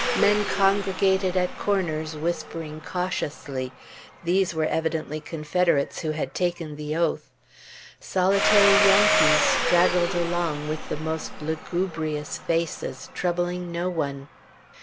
Men congregated at corners whispering cautiously. These were evidently Confederates who had taken the oath. Solitary Yankees straggled along with the most lugubrious faces, troubling no one.